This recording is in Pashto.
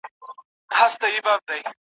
بیا د یار پر کوڅه راغلم، پټ په زړه کي بتخانه یم